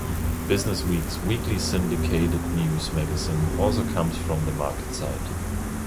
BusinessWeek's weekly syndicated news magazine also comes from the MarketSite.